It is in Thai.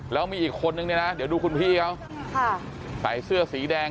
แล้วมีอีกคนนึงเนี่ยนะเดี๋ยวดูคุณพี่เขาใส่เสื้อสีแดง